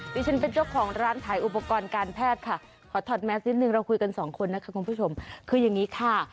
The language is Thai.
ดิฉันเป็นเจ้าของร้านขายอุปกรณ์การแพทย์ค่ะขอถอดแมสนิดนึงเราคุยกันสองคนนะคะคุณผู้ชมคืออย่างนี้ค่ะ